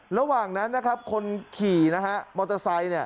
ระหว่างนั้นคนขี่มอเตอร์ไซต์